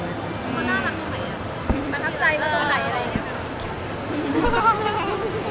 เขาน่ารักตัวไหนอ่ะ